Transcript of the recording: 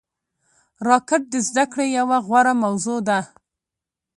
راکټ د زده کړې یوه غوره موضوع ده